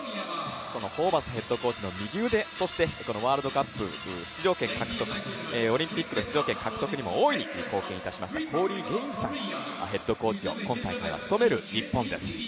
そのホーバスヘッドコーチの右腕としてワールドカップの出場権獲得、オリンピックの出場権獲得にも大いに貢献しました、コーリー・ゲインズさんがコーチを務めています。